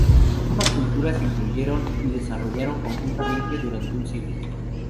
Ambas culturas se influyeron y desarrollaron conjuntamente durante un siglo.